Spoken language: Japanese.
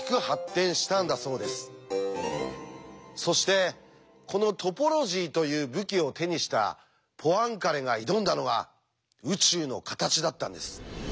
そしてこのトポロジーという武器を手にしたポアンカレが挑んだのが宇宙の形だったんです。